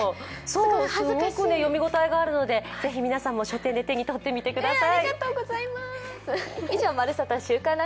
すごく読み応えがあるので、ぜひ皆さんも書店で手に取ってみてください。